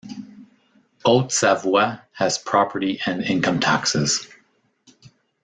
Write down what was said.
Haute-Savoie has property and income taxes.